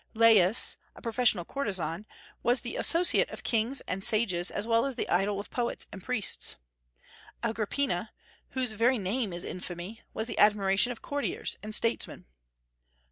Lais, a professional courtesan, was the associate of kings and sages as well as the idol of poets and priests. Agrippina, whose very name is infamy, was the admiration of courtiers and statesmen.